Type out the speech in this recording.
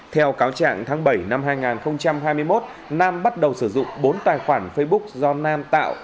theo cáo trạng tháng bảy năm hai nghìn hai mươi một nam bắt đầu sử dụng bốn tài khoản facebook do nam tạo